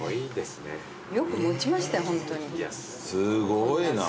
すごいな。